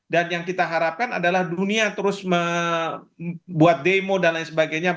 dan yang kita harapkan adalah dunia terus membuat demo dan lain sebagainya